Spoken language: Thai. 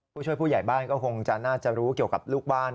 ผู้ช่วยผู้ใหญ่บ้านก็คงจะน่าจะรู้เกี่ยวกับลูกบ้าน